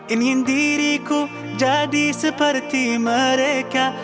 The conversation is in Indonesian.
ingin diriku jadi seperti mereka